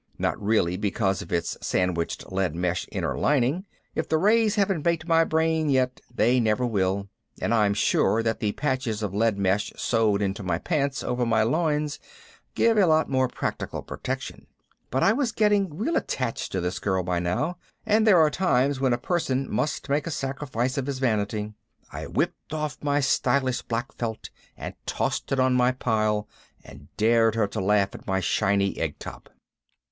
Not really because of its sandwiched lead mesh inner lining if the rays haven't baked my brain yet they never will and I'm sure that the patches of lead mesh sewed into my pants over my loins give a lot more practical protection. But I was getting real attracted to this girl by now and there are times when a person must make a sacrifice of his vanity. I whipped off my stylish black felt and tossed it on my pile and dared her to laugh at my shiny egg top.